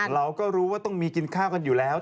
เราก็รู้ว่าต้องมีกินข้าวกันอยู่แล้ว